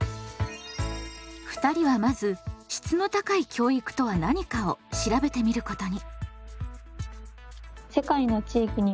２人はまず質の高い教育とは何かを調べてみることに。